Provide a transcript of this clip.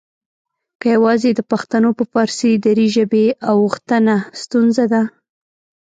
که یواځې د پښتنو په فارسي دري ژبې اوښتنه ستونزه ده؟